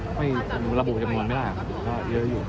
โอ้โหมันเป็นระบุจะมนุนไม่ได้ครับเพราะเยอะอยู่